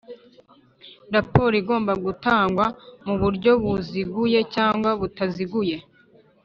Raporo igomba gutangwa mu buryo buziguye cyangwa butaziguye